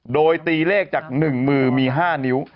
โดยตีเลขจาก๑มือมี๕นิ้ว